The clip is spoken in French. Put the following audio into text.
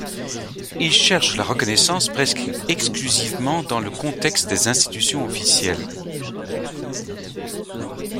Il cherche la reconnaissance presque exclusivement dans le contexte des institutions officielles.